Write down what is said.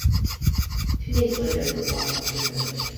Two days later, the block was removed.